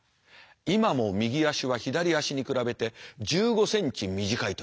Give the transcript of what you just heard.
今も右足は左足に比べて１５ｃｍ短いという。